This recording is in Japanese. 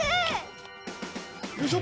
よいしょ！